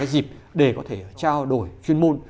dịp để có thể trao đổi chuyên môn